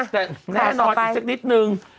แต่แน่นอนอีกสักนิดนึง